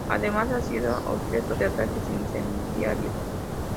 Además, ha sido objeto de ataques incendiarios.